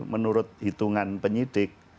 menurut hitungan penyidik